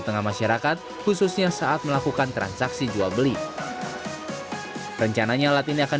tengah masyarakat khususnya saat melakukan transaksi jual beli rencananya alat ini akan